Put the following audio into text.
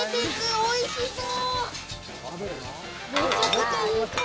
おいしそう！